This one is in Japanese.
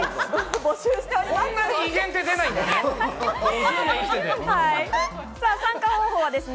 募集しております。